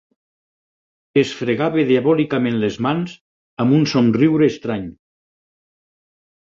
Es fregava diabòlicament les mans amb un somriure estrany.